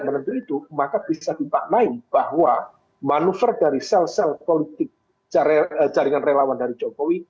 maka bisa ditumpah main bahwa manuver dari sel sel politik jaringan relawan dari jokowi